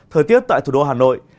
thời tiết tại thủ đô hà nội